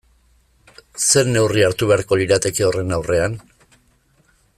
Zer neurri hartu beharko lirateke horren aurrean?